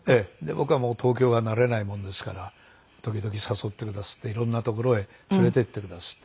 僕はもう東京が慣れないもんですから時々誘ってくだすっていろんな所へ連れて行ってくだすって。